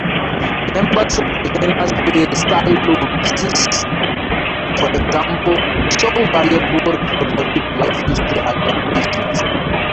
Members of the genus "Poeciliopsis", for example, show variable reproductive life history adaptations.